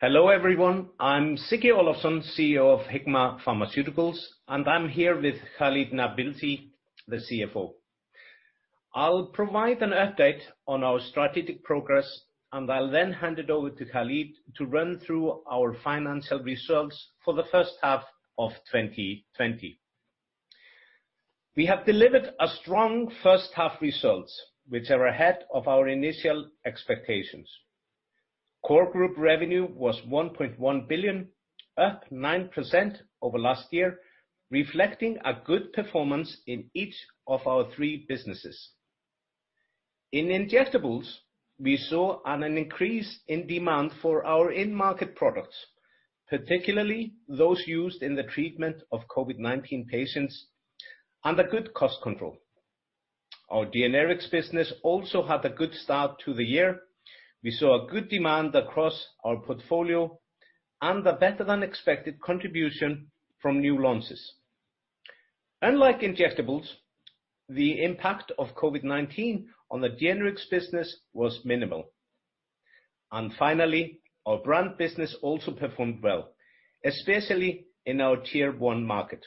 Hello, everyone. I'm Siggi Olafsson, CEO of Hikma Pharmaceuticals, and I'm here with Khalid Nabilsi, the CFO. I'll provide an update on our strategic progress, and I'll then hand it over to Khalid to run through our financial results for the first half of 2020. We have delivered a strong first half results, which are ahead of our initial expectations. Core Group revenue was $1.1 billion, up 9% over last year, reflecting a good performance in each of our three businesses. In Injectables, we saw an increase in demand for our end market products, particularly those used in the treatment of COVID-19 patients, and a good cost control. Our Generics business also had a good start to the year. We saw a good demand across our portfolio and a better-than-expected contribution from new launches. Unlike Injectables, the impact of COVID-19 on the Generics business was minimal. Finally, our Brand business also performed well, especially in our Tier 1 market.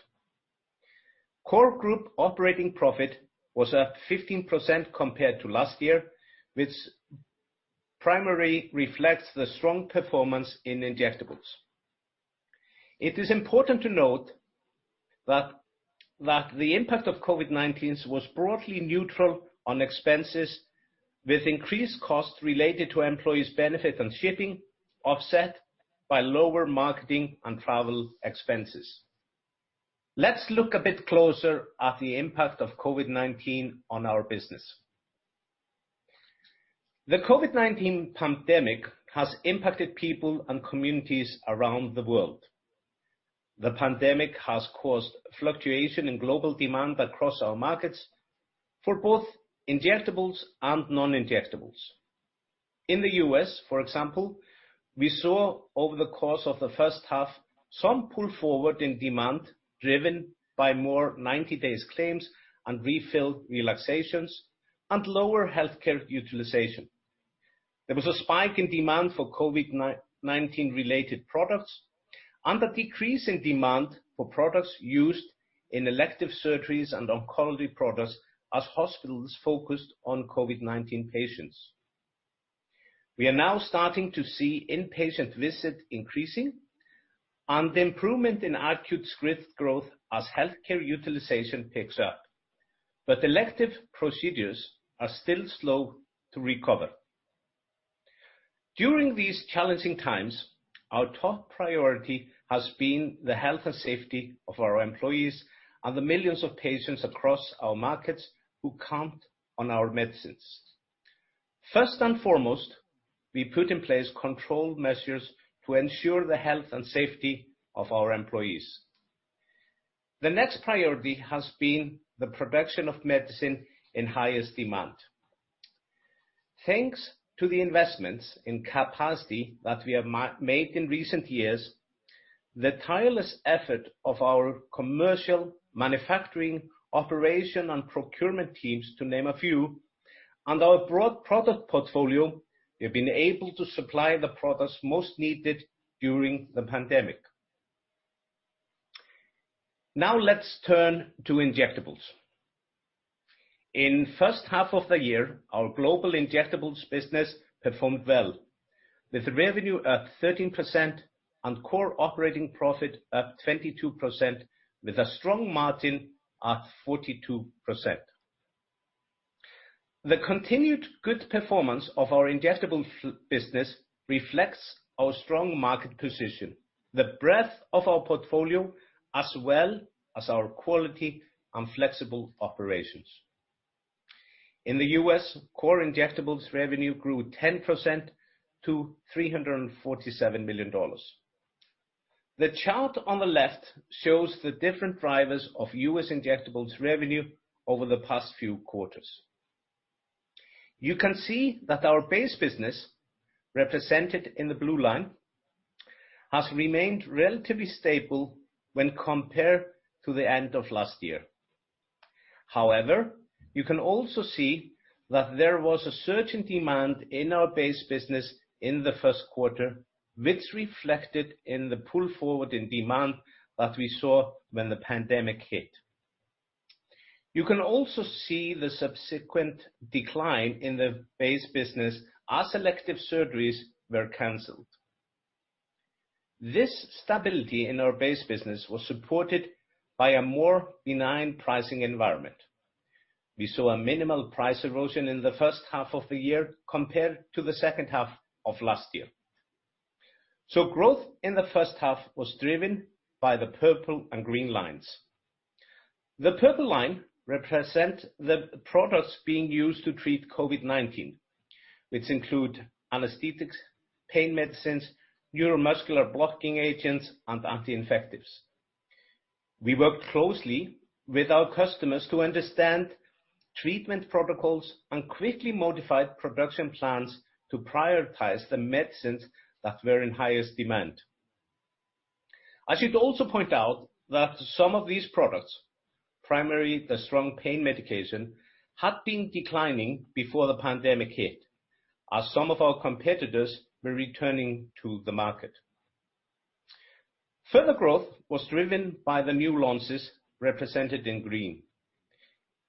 Core Group operating profit was up 15% compared to last year, which primarily reflects the strong performance in Injectables. It is important to note that the impact of COVID-19 was broadly neutral on expenses, with increased costs related to employee benefits and shipping, offset by lower marketing and travel expenses. Let's look a bit closer at the impact of COVID-19 on our business. The COVID-19 pandemic has impacted people and communities around the world. The pandemic has caused fluctuation in global demand across our markets for both Injectables and non-Injectables. In the U.S., for example, we saw over the course of the first half, some pull forward in demand, driven by more 90-day claims and refill relaxations and lower healthcare utilization. There was a spike in demand for COVID-19-related products and a decrease in demand for products used in elective surgeries and oncology products as hospitals focused on COVID-19 patients. We are now starting to see inpatient visits increasing and the improvement in acute script growth as healthcare utilization picks up, but elective procedures are still slow to recover. During these challenging times, our top priority has been the health and safety of our employees and the millions of patients across our markets who count on our medicines. First and foremost, we put in place control measures to ensure the health and safety of our employees. The next priority has been the production of medicine in highest demand. Thanks to the investments in capacity that we have made in recent years, the tireless effort of our commercial manufacturing, operation, and procurement teams, to name a few, and our broad product portfolio, we have been able to supply the products most needed during the pandemic. Now, let's turn to Injectables. In the first half of the year, our global Injectables business performed well, with revenue up 13% and core operating profit up 22%, with a strong margin at 42%. The continued good performance of our Injectables business reflects our strong market position, the breadth of our portfolio, as well as our quality and flexible operations. In the U.S., core Injectables revenue grew 10% to $347 million. The chart on the left shows the different drivers of U.S. Injectables revenue over the past few quarters. You can see that our base business, represented in the blue line, has remained relatively stable when compared to the end of last year. However, you can also see that there was a surge in demand in our base business in the first quarter, which reflected in the pull forward in demand that we saw when the pandemic hit. You can also see the subsequent decline in the base business as selective surgeries were canceled. This stability in our base business was supported by a more benign pricing environment. We saw a minimal price erosion in the first half of the year compared to the second half of last year. So growth in the first half was driven by the purple and green lines. The purple line represent the products being used to treat COVID-19, which include anesthetics, pain medicines, neuromuscular blocking agents, and anti-infectives. We worked closely with our customers to understand treatment protocols and quickly modified production plans to prioritize the medicines that were in highest demand. I should also point out that some of these products, primarily the strong pain medication, had been declining before the pandemic hit, as some of our competitors were returning to the market. Further growth was driven by the new launches represented in green.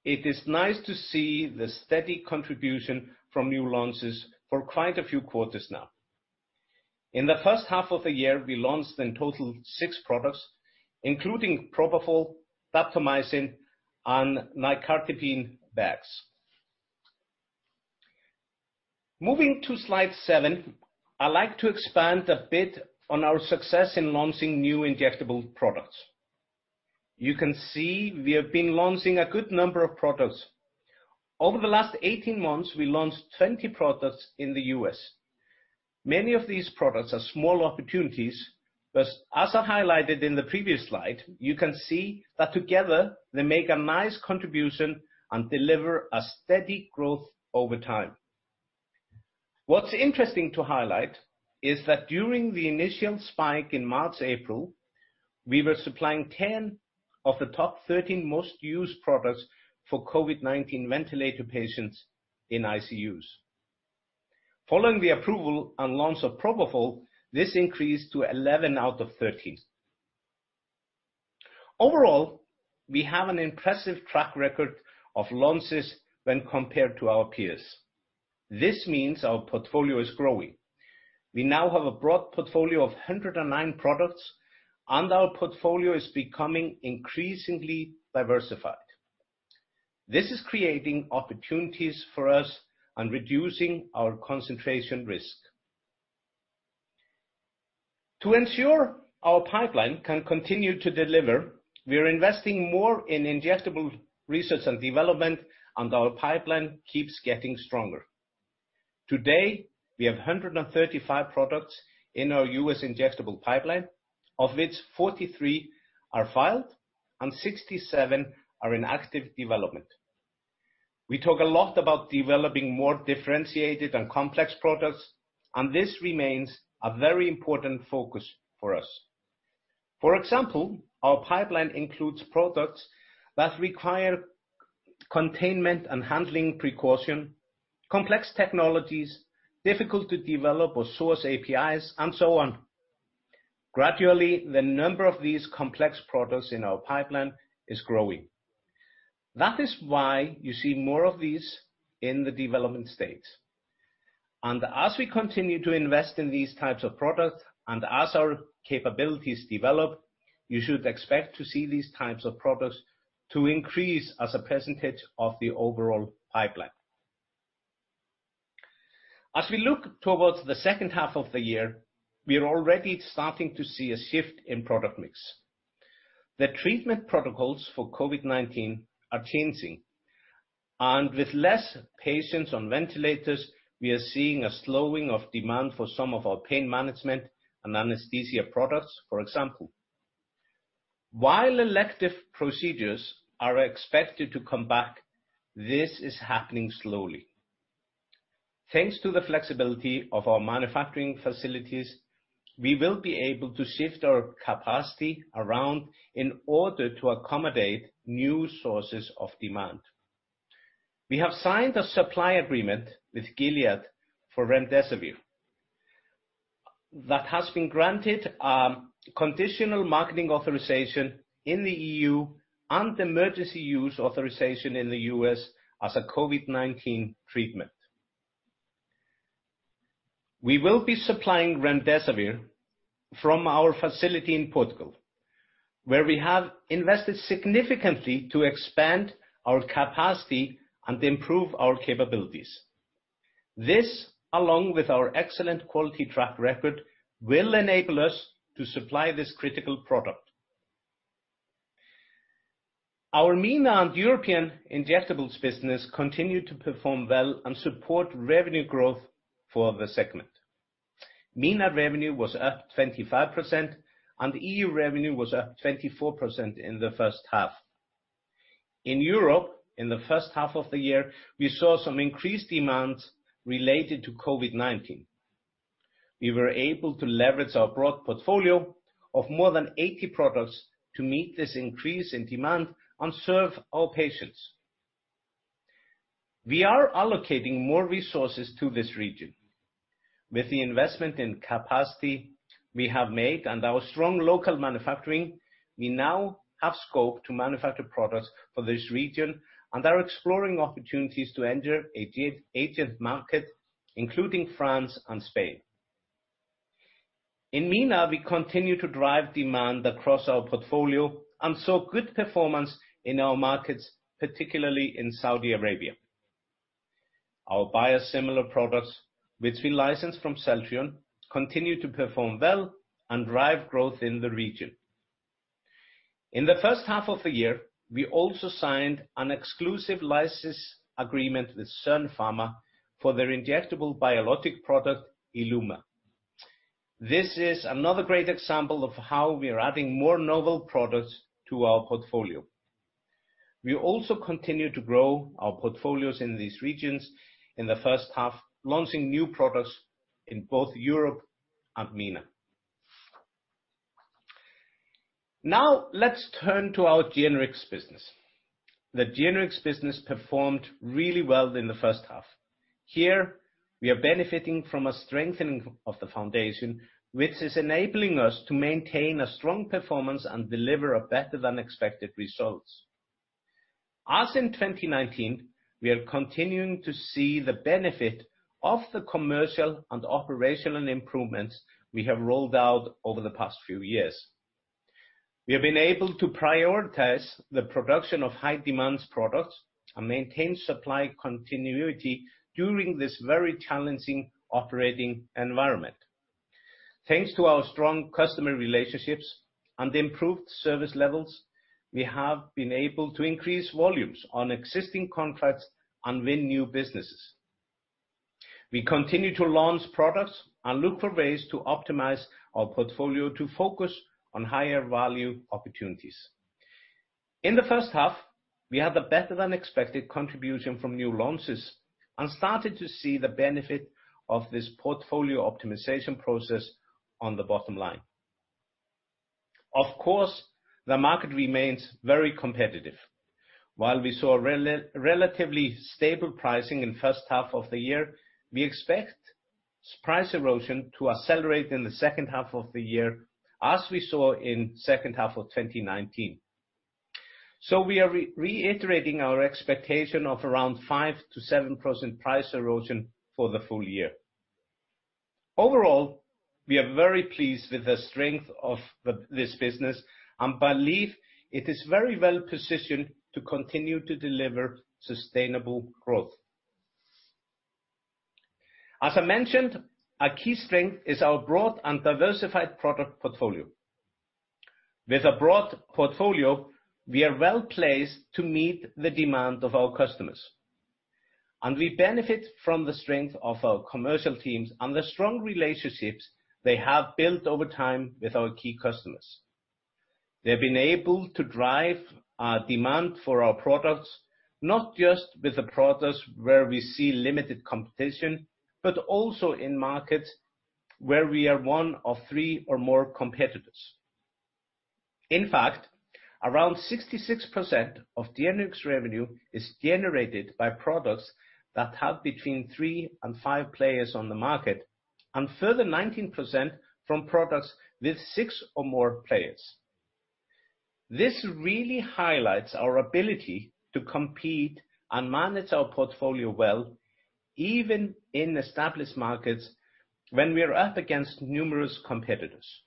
It is nice to see the steady contribution from new launches for quite a few quarters now. In the first half of the year, we launched in total six products, including propofol, daptomycin, and nicardipine bags. Moving to slide seven, I'd like to expand a bit on our success in launching new injectable products. You can see we have been launching a good number of products. Over the last 18 months, we launched 20 products in the U.S. Many of these products are small opportunities, but as I highlighted in the previous slide, you can see that together, they make a nice contribution and deliver a steady growth over time. What's interesting to highlight is that during the initial spike in March, April, we were supplying 10 of the top 13 most used products for COVID-19 ventilator patients in ICUs. Following the approval and launch of propofol, this increased to 11 out of 13. Overall, we have an impressive track record of launches when compared to our peers. This means our portfolio is growing. We now have a broad portfolio of 109 products, and our portfolio is becoming increasingly diversified. This is creating opportunities for us and reducing our concentration risk. To ensure our pipeline can continue to deliver, we are investing more in injectable research and development, and our pipeline keeps getting stronger. Today, we have 135 products in our U.S. injectable pipeline, of which 43 are filed and 67 are in active development. We talk a lot about developing more differentiated and complex products, and this remains a very important focus for us. For example, our pipeline includes products that require containment and handling precaution, complex technologies, difficult to develop or source APIs, and so on. Gradually, the number of these complex products in our pipeline is growing. That is why you see more of these in the development stage. And as we continue to invest in these types of products and as our capabilities develop, you should expect to see these types of products to increase as a percentage of the overall pipeline. As we look towards the second half of the year, we are already starting to see a shift in product mix. The treatment protocols for COVID-19 are changing, and with less patients on ventilators, we are seeing a slowing of demand for some of our pain management and anesthesia products, for example. While elective procedures are expected to come back, this is happening slowly. Thanks to the flexibility of our manufacturing facilities, we will be able to shift our capacity around in order to accommodate new sources of demand. We have signed a supply agreement with Gilead for remdesivir that has been granted, conditional marketing authorization in the EU and emergency use authorization in the US as a COVID-19 treatment. We will be supplying remdesivir from our facility in Portugal, where we have invested significantly to expand our capacity and improve our capabilities. This, along with our excellent quality track record, will enable us to supply this critical product. Our MENA and European injectables business continued to perform well and support revenue growth for the segment. MENA revenue was up 25%, and EU revenue was up 24% in the first half. In Europe, in the first half of the year, we saw some increased demand related to COVID-19. We were able to leverage our broad portfolio of more than 80 products to meet this increase in demand and serve our patients. We are allocating more resources to this region. With the investment in capacity we have made and our strong local manufacturing, we now have scope to manufacture products for this region and are exploring opportunities to enter adjacent market, including France and Spain. In MENA, we continue to drive demand across our portfolio and saw good performance in our markets, particularly in Saudi Arabia. Our biosimilar products, which we licensed from Celltrion, continue to perform well and drive growth in the region. In the first half of the year, we also signed an exclusive license agreement with Sun Pharma for their injectable biologic product, Ilumya. This is another great example of how we are adding more novel products to our portfolio.... We also continue to grow our portfolios in these regions in the first half, launching new products in both Europe and MENA. Now, let's turn to our generics business. The generics business performed really well in the first half. Here, we are benefiting from a strengthening of the foundation, which is enabling us to maintain a strong performance and deliver a better-than-expected results. As in 2019, we are continuing to see the benefit of the commercial and operational improvements we have rolled out over the past few years. We have been able to prioritize the production of high demands products and maintain supply continuity during this very challenging operating environment. Thanks to our strong customer relationships and improved service levels, we have been able to increase volumes on existing contracts and win new businesses. We continue to launch products and look for ways to optimize our portfolio to focus on higher value opportunities. In the first half, we had a better-than-expected contribution from new launches and started to see the benefit of this portfolio optimization process on the bottom line. Of course, the market remains very competitive. While we saw relatively stable pricing in first half of the year, we expect price erosion to accelerate in the second half of the year, as we saw in second half of 2019. So we are reiterating our expectation of around 5%-7% price erosion for the full year. Overall, we are very pleased with the strength of this business, and believe it is very well positioned to continue to deliver sustainable growth. As I mentioned, a key strength is our broad and diversified product portfolio. With a broad portfolio, we are well-placed to meet the demand of our customers, and we benefit from the strength of our commercial teams and the strong relationships they have built over time with our key customers. They've been able to drive our demand for our products, not just with the products where we see limited competition, but also in markets where we are one of three or more competitors. In fact, around 66% of generics revenue is generated by products that have between 3 and 5 players on the market, and further 19% from products with 6 or more players. This really highlights our ability to compete and manage our portfolio well, even in established markets, when we are up against numerous competitors.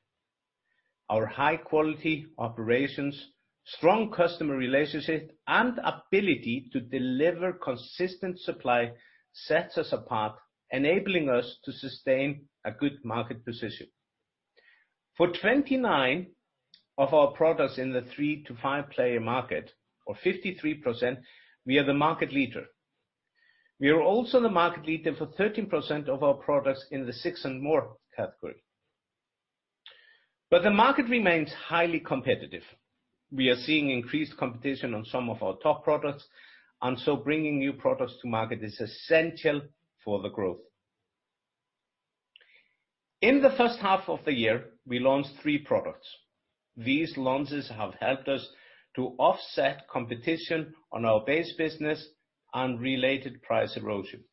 Our high quality operations, strong customer relationships, and ability to deliver consistent supply sets us apart, enabling us to sustain a good market position. For 29 of our products in the 3-5-player market, or 53%, we are the market leader. We are also the market leader for 13% of our products in the 6 and more category. But the market remains highly competitive. We are seeing increased competition on some of our top products, and so bringing new products to market is essential for the growth. In the first half of the year, we launched three products. These launches have helped us to offset competition on our base business and related price erosion.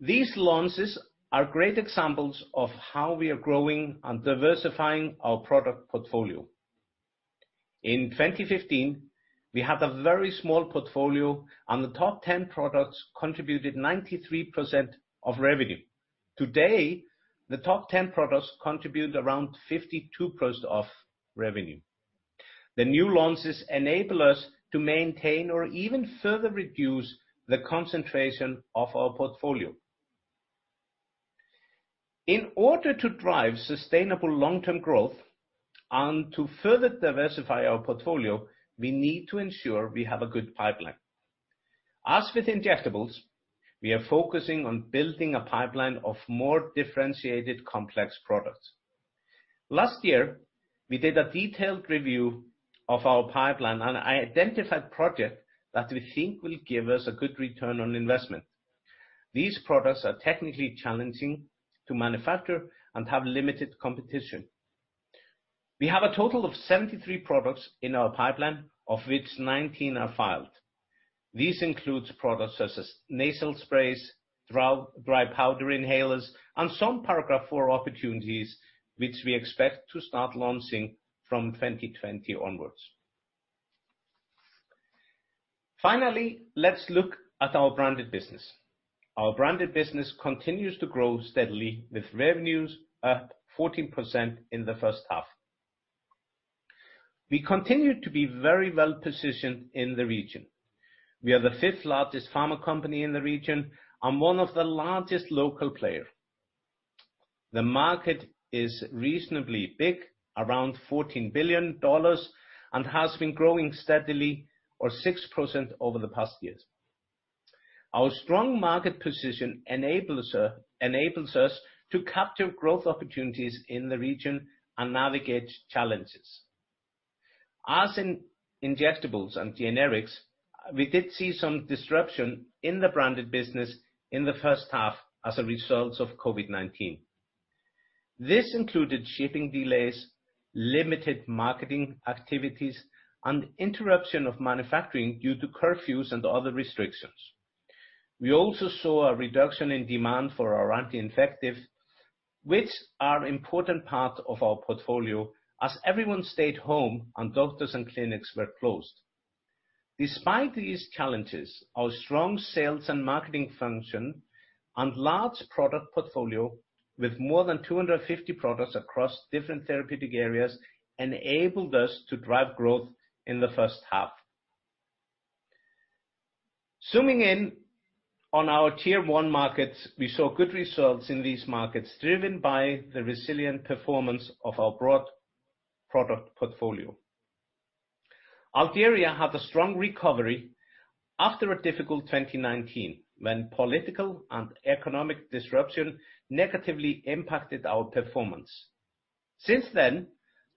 These launches are great examples of how we are growing and diversifying our product portfolio. In 2015, we had a very small portfolio, and the top 10 products contributed 93% of revenue. Today, the top 10 products contribute around 52% of revenue. The new launches enable us to maintain or even further reduce the concentration of our portfolio. In order to drive sustainable long-term growth and to further diversify our portfolio, we need to ensure we have a good pipeline. As with injectables, we are focusing on building a pipeline of more differentiated, complex products. Last year, we did a detailed review of our pipeline, and I identified projects that we think will give us a good return on investment. These products are technically challenging to manufacture and have limited competition. We have a total of 73 products in our pipeline, of which 19 are filed. These includes products such as nasal sprays, dry powder inhalers, and some Paragraph IV opportunities, which we expect to start launching from 2020 onwards. Finally, let's look at our branded business. Our branded business continues to grow steadily, with revenues up 14% in the first half. We continue to be very well positioned in the region. We are the fifth largest pharma company in the region and one of the largest local player. The market is reasonably big, around $14 billion, and has been growing steadily or 6% over the past years.... Our strong market position enables enables us to capture growth opportunities in the region and navigate challenges. As in injectables and generics, we did see some disruption in the branded business in the first half as a result of COVID-19. This included shipping delays, limited marketing activities, and interruption of manufacturing due to curfews and other restrictions. We also saw a reduction in demand for our anti-infectives, which are an important part of our portfolio, as everyone stayed home and doctors and clinics were closed. Despite these challenges, our strong sales and marketing function and large product portfolio, with more than 250 products across different therapeutic areas, enabled us to drive growth in the first half. Zooming in on our tier one markets, we saw good results in these markets, driven by the resilient performance of our broad product portfolio. Algeria had a strong recovery after a difficult 2019, when political and economic disruption negatively impacted our performance. Since then,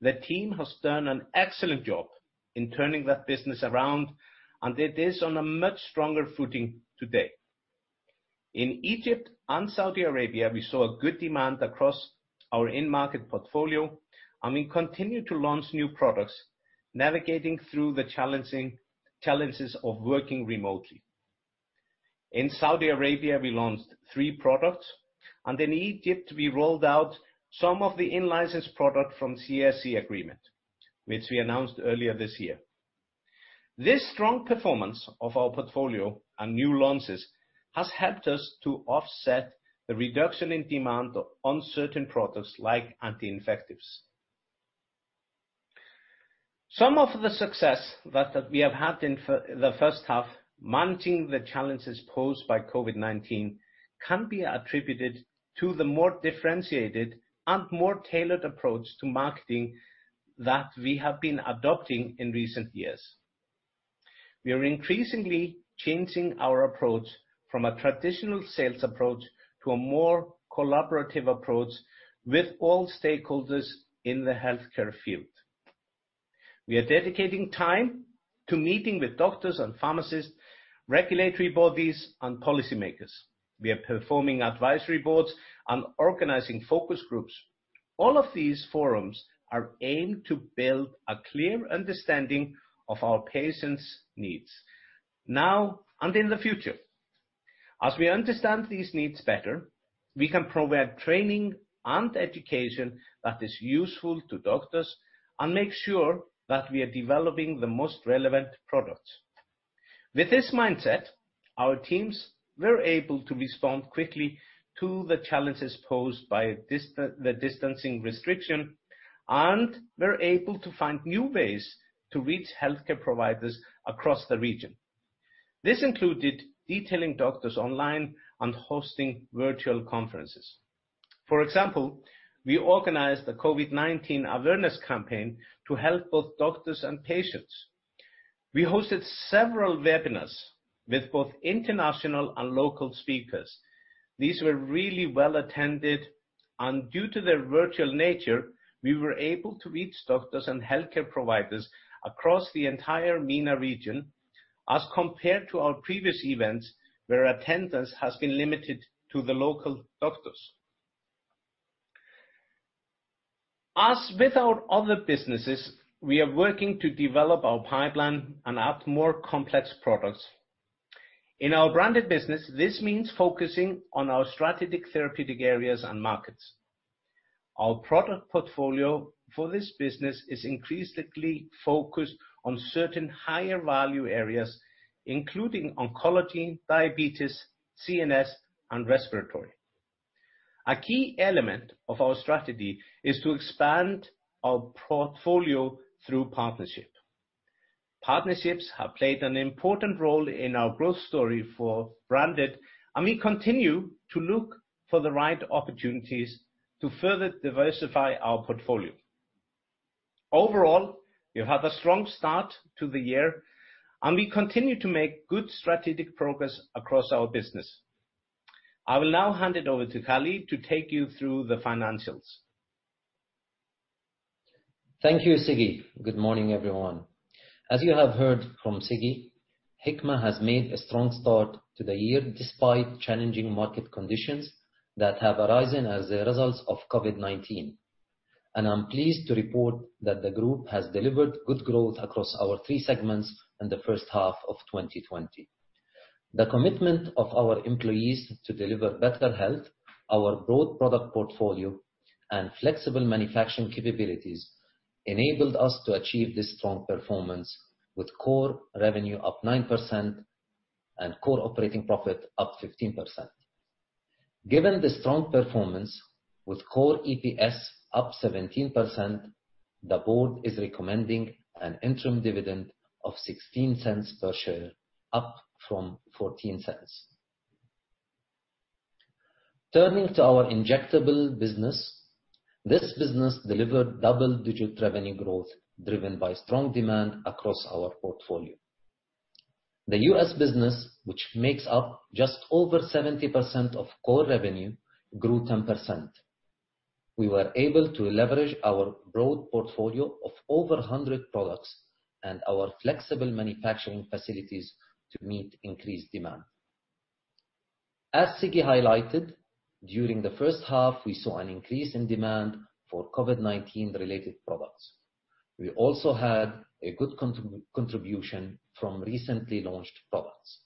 the team has done an excellent job in turning that business around, and it is on a much stronger footing today. In Egypt and Saudi Arabia, we saw a good demand across our in-market portfolio, and we continue to launch new products, navigating through the challenges of working remotely. In Saudi Arabia, we launched three products, and in Egypt, we rolled out some of the in-license product from Chiesi agreement, which we announced earlier this year. This strong performance of our portfolio and new launches has helped us to offset the reduction in demand on certain products like anti-infectives. Some of the success that we have had in the first half, managing the challenges posed by COVID-19, can be attributed to the more differentiated and more tailored approach to marketing that we have been adopting in recent years. We are increasingly changing our approach from a traditional sales approach to a more collaborative approach with all stakeholders in the healthcare field. We are dedicating time to meeting with doctors and pharmacists, regulatory bodies, and policymakers. We are performing advisory boards and organizing focus groups. All of these forums are aimed to build a clear understanding of our patients' needs, now and in the future. As we understand these needs better, we can provide training and education that is useful to doctors, and make sure that we are developing the most relevant products. With this mindset, our teams were able to respond quickly to the challenges posed by the distancing restriction, and were able to find new ways to reach healthcare providers across the region. This included detailing doctors online and hosting virtual conferences. For example, we organized a COVID-19 awareness campaign to help both doctors and patients. We hosted several webinars with both international and local speakers. These were really well-attended, and due to their virtual nature, we were able to reach doctors and healthcare providers across the entire MENA region, as compared to our previous events, where attendance has been limited to the local doctors. As with our other businesses, we are working to develop our pipeline and add more complex products. In our branded business, this means focusing on our strategic therapeutic areas and markets. Our product portfolio for this business is increasingly focused on certain higher value areas, including oncology, diabetes, CNS, and respiratory. A key element of our strategy is to expand our portfolio through partnership. Partnerships have played an important role in our growth story for branded, and we continue to look for the right opportunities to further diversify our portfolio. Overall, we have a strong start to the year, and we continue to make good strategic progress across our business. I will now hand it over to Khalid to take you through the financials. Thank you, Siggi. Good morning, everyone. As you have heard from Siggi, Hikma has made a strong start to the year, despite challenging market conditions that have arisen as a result of COVID-19. I'm pleased to report that the group has delivered good growth across our three segments in the first half of 2020. The commitment of our employees to deliver better health, our broad product portfolio, and flexible manufacturing capabilities, enabled us to achieve this strong performance, with core revenue up 9% and core operating profit up 15%. Given the strong performance with core EPS up 17%, the board is recommending an interim dividend of $0.16 per share, up from $0.14.... Turning to our injectable business, this business delivered double-digit revenue growth, driven by strong demand across our portfolio. The U.S. business, which makes up just over 70% of core revenue, grew 10%. We were able to leverage our broad portfolio of over 100 products and our flexible manufacturing facilities to meet increased demand. As Siggi highlighted, during the first half, we saw an increase in demand for COVID-19 related products. We also had a good contribution from recently launched products.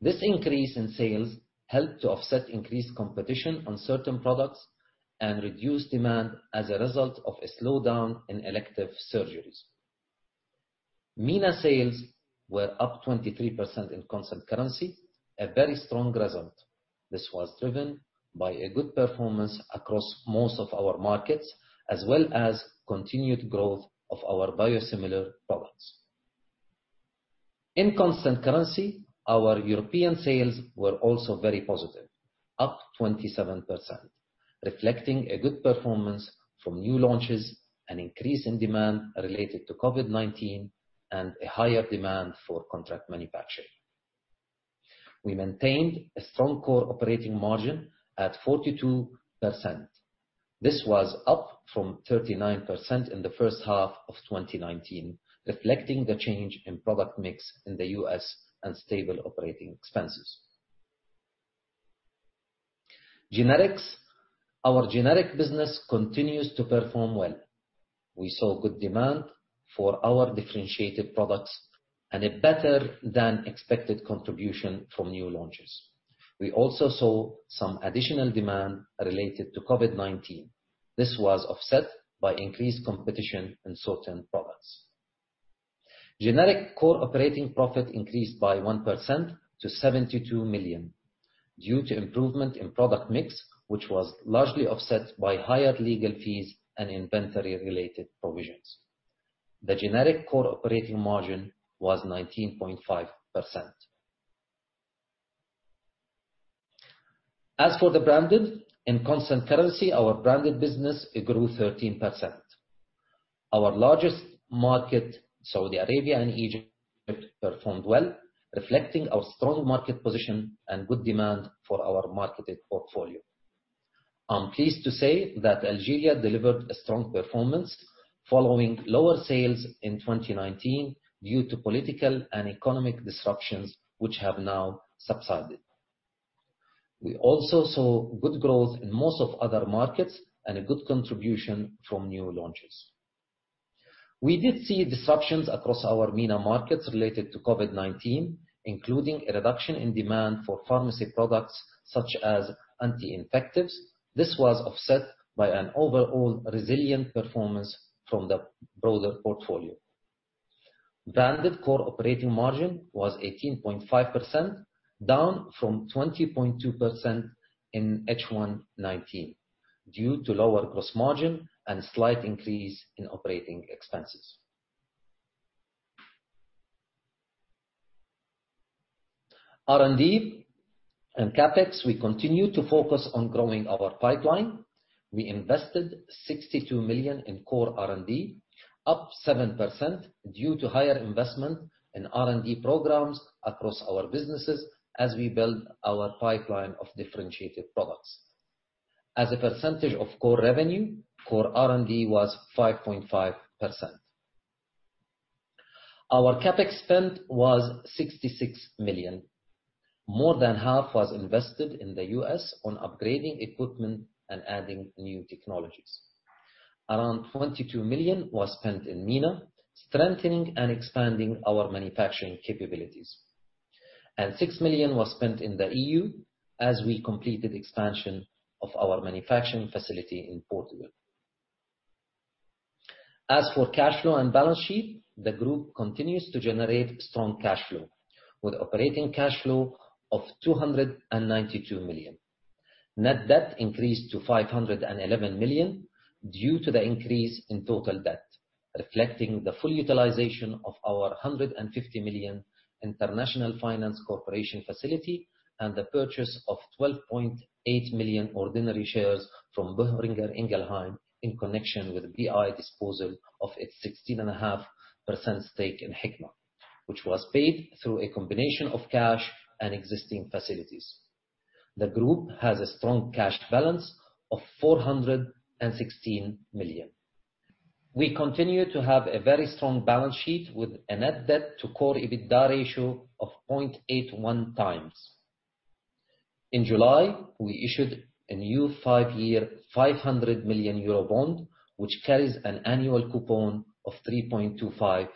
This increase in sales helped to offset increased competition on certain products and reduced demand as a result of a slowdown in elective surgeries. MENA sales were up 23% in constant currency, a very strong result. This was driven by a good performance across most of our markets, as well as continued growth of our biosimilar products. In constant currency, our European sales were also very positive, up 27%, reflecting a good performance from new launches, an increase in demand related to COVID-19, and a higher demand for contract manufacturing. We maintained a strong core operating margin at 42%. This was up from 39% in the first half of 2019, reflecting the change in product mix in the U.S. and stable operating expenses. Generics. Our generic business continues to perform well. We saw good demand for our differentiated products and a better-than-expected contribution from new launches. We also saw some additional demand related to COVID-19. This was offset by increased competition in certain products. Generic core operating profit increased by 1% to $72 million, due to improvement in product mix, which was largely offset by higher legal fees and inventory-related provisions. The generic core operating margin was 19.5%. As for the branded, in constant currency, our branded business, it grew 13%. Our largest market, Saudi Arabia and Egypt, performed well, reflecting our strong market position and good demand for our marketed portfolio. I'm pleased to say that Algeria delivered a strong performance following lower sales in 2019 due to political and economic disruptions, which have now subsided. We also saw good growth in most of other markets and a good contribution from new launches. We did see disruptions across our MENA markets related to COVID-19, including a reduction in demand for pharmacy products such as anti-infectives. This was offset by an overall resilient performance from the broader portfolio. Branded core operating margin was 18.5%, down from 20.2% in H1 2019, due to lower gross margin and a slight increase in operating expenses. R&D and CapEx, we continue to focus on growing our pipeline. We invested $62 million in core R&D, up 7% due to higher investment in R&D programs across our businesses as we build our pipeline of differentiated products. As a percentage of core revenue, core R&D was 5.5%. Our CapEx spend was $66 million. More than half was invested in the U.S. on upgrading equipment and adding new technologies. Around $22 million was spent in MENA, strengthening and expanding our manufacturing capabilities. Six million was spent in the E.U. as we completed expansion of our manufacturing facility in Portugal. As for cash flow and balance sheet, the group continues to generate strong cash flow, with operating cash flow of $292 million. Net debt increased to $511 million due to the increase in total debt, reflecting the full utilization of our $150 million International Finance Corporation facility and the purchase of 12.8 million ordinary shares from Boehringer Ingelheim in connection with BI disposal of its 16.5% stake in Hikma, which was paid through a combination of cash and existing facilities. The group has a strong cash balance of $416 million. We continue to have a very strong balance sheet with a net debt to core EBITDA ratio of 0.81 times. In July, we issued a new 5-year, 500 million euro bond, which carries an annual coupon of 3.25%.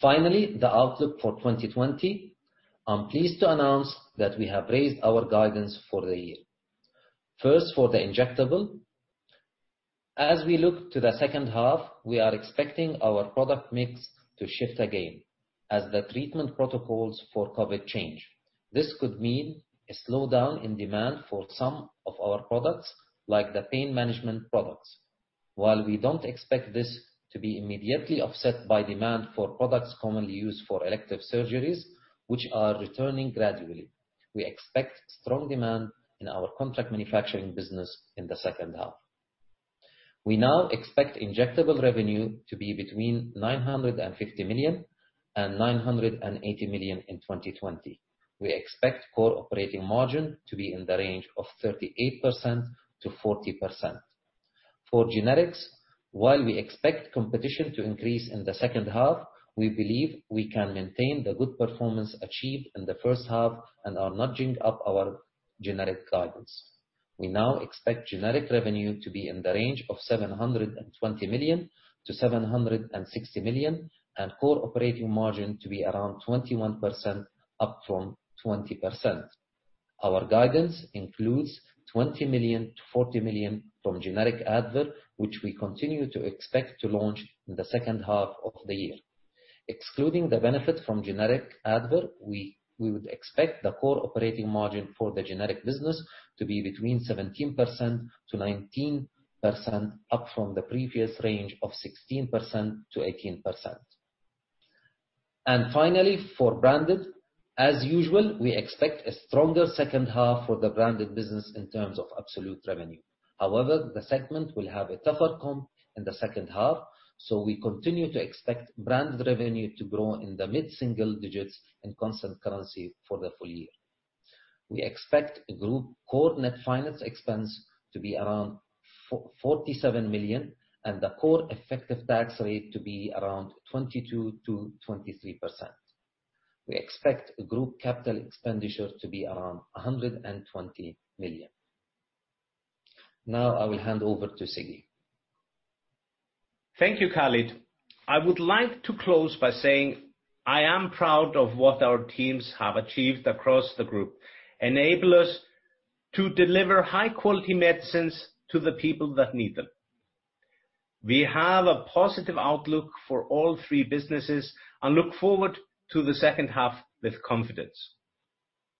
Finally, the outlook for 2020. I'm pleased to announce that we have raised our guidance for the year. First, for the injectable. As we look to the second half, we are expecting our product mix to shift again as the treatment protocols for COVID change. This could mean a slowdown in demand for some of our products, like the pain management products. While we don't expect this to be immediately offset by demand for products commonly used for elective surgeries, which are returning gradually, we expect strong demand in our contract manufacturing business in the second half. We now expect injectable revenue to be between $950 million and $980 million in 2020. We expect core operating margin to be in the range of 38%-40%. For generics, while we expect competition to increase in the second half, we believe we can maintain the good performance achieved in the first half and are nudging up our generic guidance. We now expect generic revenue to be in the range of $720 million-$760 million, and core operating margin to be around 21%, up from 20%. Our guidance includes $20 million-$40 million from generic Advil, which we continue to expect to launch in the second half of the year. Excluding the benefit from generic Advil, we would expect the core operating margin for the generic business to be between 17%-19%, up from the previous range of 16%-18%. And finally, for branded, as usual, we expect a stronger second half for the branded business in terms of absolute revenue. However, the segment will have a tougher comp in the second half, so we continue to expect branded revenue to grow in the mid-single digits in constant currency for the full year. We expect group core net finance expense to be around $47 million, and the core effective tax rate to be around 22%-23%. We expect group capital expenditures to be around $120 million. Now I will hand over to Siggi. Thank you, Khalid. I would like to close by saying I am proud of what our teams have achieved across the group, enabling us to deliver high-quality medicines to the people that need them. We have a positive outlook for all three businesses and look forward to the second half with confidence.